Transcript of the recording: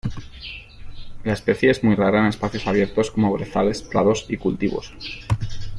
La especie es muy rara en espacios abiertos, como brezales, prados y cultivos.